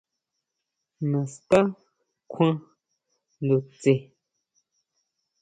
¿Naská kjuan ndutsje?